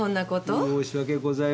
申し訳ございませんでした。